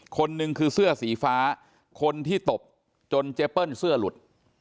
คนหนึ่งคือเสื้อสีฟ้าคนที่ตบจนเจเปิ้ลเสื้อหลุด